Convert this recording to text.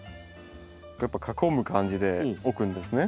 やっぱ囲む感じで置くんですね。